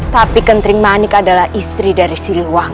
tapi kentring manik adalah istri dari siliwan